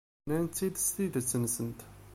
Nnant-t-id s tidet-nsent.